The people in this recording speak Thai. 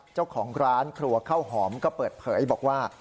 เจ้าของร้านครัวข้าวหอมก็เปิดเผยบอกว่า